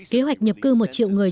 kế hoạch nhập cư một triệu người